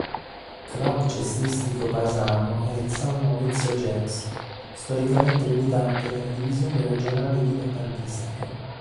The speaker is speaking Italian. Club cestistico paesano è il "San Maurizio Jacks", storicamente militante nelle divisioni regionali dilettantistiche.